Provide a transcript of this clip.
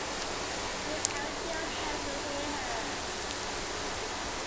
You owe it to yourself to hear her.